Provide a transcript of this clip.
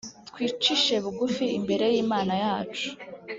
twicishe bugufi imbere y’imana yacu